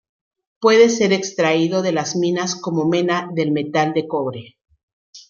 Puede ser extraído de las minas como mena del metal de cobre.